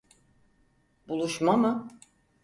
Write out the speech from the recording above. Buluşma mı?